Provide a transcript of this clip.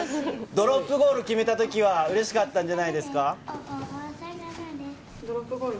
ドロップゴール決めたときは嬉しかったんじゃないですか？